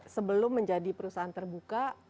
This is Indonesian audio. sebelum menjadi perusahaan terbuka